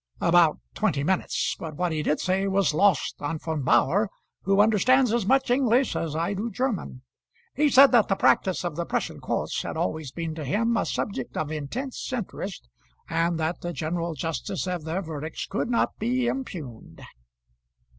"About twenty minutes; but what he did say was lost on Von Bauhr, who understands as much English as I do German. He said that the practice of the Prussian courts had always been to him a subject of intense interest, and that the general justice of their verdicts could not be impugned."